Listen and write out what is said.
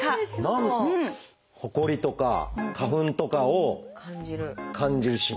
ほこりとか花粉とかを感じる神経。